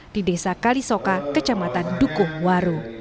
di desa kalisoka kecamatan dukuhwaru